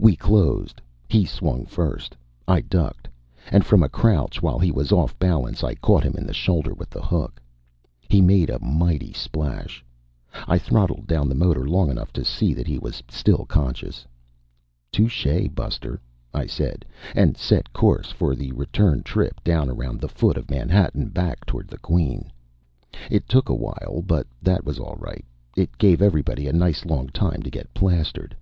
We closed. He swung first. I ducked And from a crouch, while he was off balance, I caught him in the shoulder with the hook. He made a mighty splash. I throttled down the motor long enough to see that he was still conscious. "Touché, buster," I said, and set course for the return trip down around the foot of Manhattan, back toward the Queen. It took a while, but that was all right; it gave everybody a nice long time to get plastered.